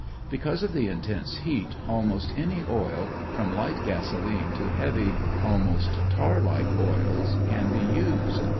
Because of the intense heat almost any oil, from light gasolene to heavy, almost tarlike oils, can be used.